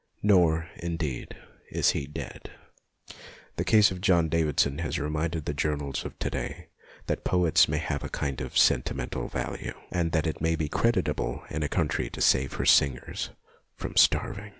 Nor, indeed, is he dead. The case of John Davidson has reminded the journals of to day that poets may have a kind of sentimental value, and that it may be creditable in a country to save her singers from starving.